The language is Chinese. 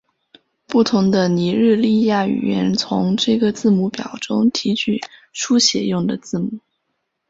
不同的尼日利亚语言从这个字母表中提取书写用的字母。